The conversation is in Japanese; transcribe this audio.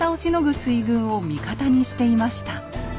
水軍を味方にしていました。